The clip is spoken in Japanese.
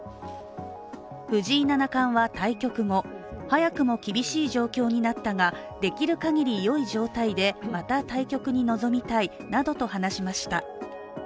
藤井七冠は対局後、早くも厳しい状況になったが、できる限り良い状態でまた対局に臨みたいなどと話しました。